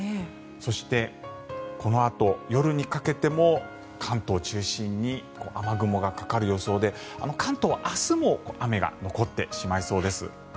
そしてこのあと夜にかけても関東を中心に雨雲がかかる予想で関東は明日も雨が残ってしまいそうです。